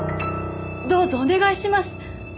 どうぞお願いします！